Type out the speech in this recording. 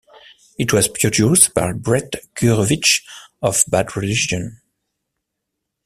It was produced by Brett Gurewitz of Bad Religion.